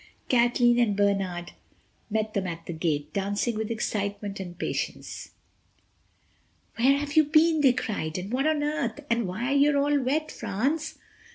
Kathleen and Bernard met them at the gate, dancing with excitement and impatience. "Where have you been?" they cried and "What on earth?" and "Why, you're all wet, France."